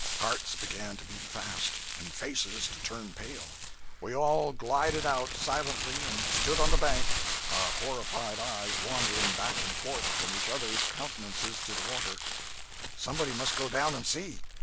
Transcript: Hearts began to beat fast, and faces to turn pale. We all glided out, silently, and stood on the bank, our horrified eyes wandering back and forth from each other's countenances to the water. 'Somebody must go down and see!'